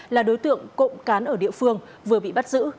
là đối tượng cộng cán ở địa phương vừa bị bắt giữ